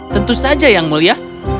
tentu saja yang mulia